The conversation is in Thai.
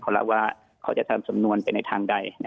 เขาแล้วว่าเขาจะทำสำนวนไปในทางใด